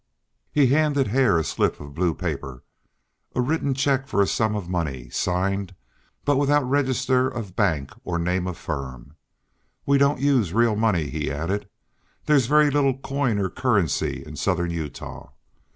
He handed Hare a slip of blue paper, a written check for a sum of money, signed, but without register of bank or name of firm. "We don't use real money," he added. "There's very little coin or currency in southern Utah.